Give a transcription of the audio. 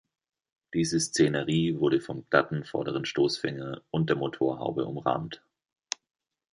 Diese Szenerie wurde vom glatten vorderen Stoßfänger und der Motorhaube umrahmt.